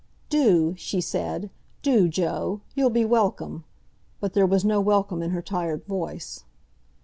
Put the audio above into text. "Do," she said. "Do, Joe. You'll be welcome," but there was no welcome in her tired voice.